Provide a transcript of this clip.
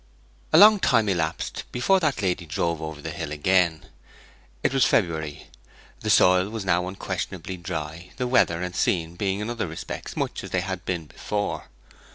A long time elapsed before that lady drove over the hill again. It was February; the soil was now unquestionably dry, the weather and scene being in other respects much as they had been before.